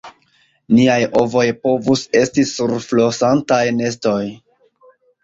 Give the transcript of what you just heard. "Niaj ovoj povus esti sur flosantaj nestoj!"